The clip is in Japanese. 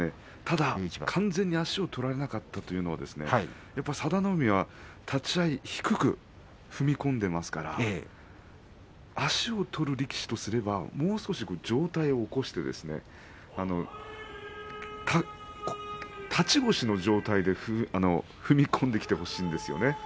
ただ完全に足を取れなかったというのは佐田の海が低く踏み込んでいますから足を取る力士とすればもう少し上体を起こして立ち腰の状態で踏み込んできてほしいんですよね。